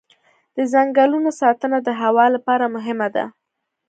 د ځنګلونو ساتنه د هوا لپاره مهمه ده.